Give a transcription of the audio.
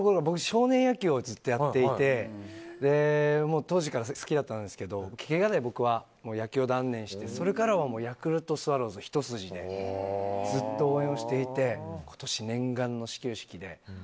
少年野球をずっとやっていて当時から好きだったんですけどけがで僕は野球を断念してそれからはヤクルトスワローズひと筋でずっと応援をしていて今年念願の始球式で。